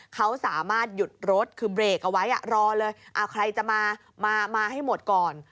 เขาสามารถหยุดรถคือเบรกเอาไว้รอเลยใครจะมามาให้หมดก่อน